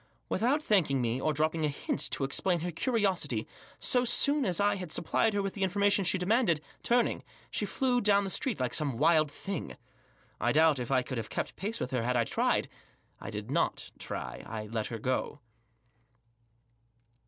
Without thanking me, or dropping a hint to explain her curiosity, so soon as I had supplied her with the information she demanded, turning, she flew off down the street like some wild thing. I doubt if I could have kept pace with her had I tried. I did not try. I let her go.